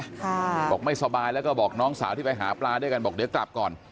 ค่ะบอกไม่สบายแล้วก็บอกน้องสาวที่ไปหาปลาด้วยกันบอกเดี๋ยวกลับก่อน